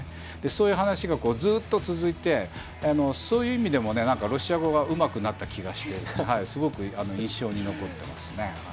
そういう話がずっと続いてそういう意味でもロシア語がうまくなった気がしてすごく印象に残ってますね。